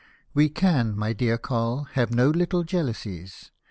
We can, my dear Coll, have no httle jealousies.